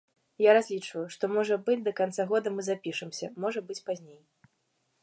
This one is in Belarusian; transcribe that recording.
Я разлічваю, што, можа быць, да канца года мы запішамся, можа быць пазней.